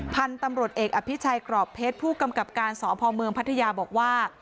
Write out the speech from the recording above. พันธุ์ตำรวจเอกอภิชัยกรอบเพชรผู้กำกับการสพเมืองพัทยาบอกว่า